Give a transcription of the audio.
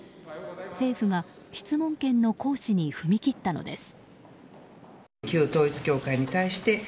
政府が質問権の行使に踏み切ったのです。